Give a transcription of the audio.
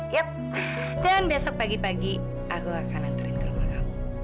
yap dan besok pagi pagi aku akan antarin ke rumah kamu